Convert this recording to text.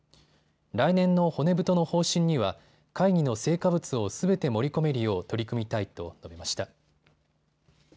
来年の骨太の方針には会議の成果物をすべて盛り込めるよう取り組みたいと述べました。